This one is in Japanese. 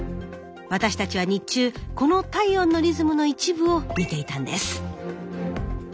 私たちは日中この体温のリズムの一部を見ていたんです。